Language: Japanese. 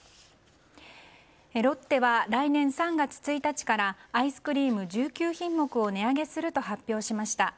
ロッテは来年３月１日からアイスクリーム１９品目を値上げすると発表しました。